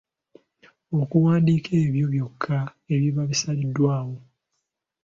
Okuwandiika ebyo byokka ebiba bisaliddwawo. .